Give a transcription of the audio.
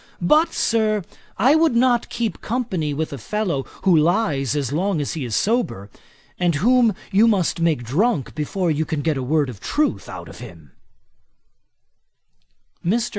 But, Sir, I would not keep company with a fellow, who lyes as long as he is sober, and whom you must make drunk before you can get a word of truth out of him.' Mr.